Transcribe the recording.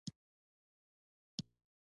په بدن کې د زېنک او ویټامین سي په څېر